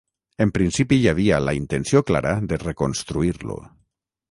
En principi hi havia la intenció clara de reconstruir-lo.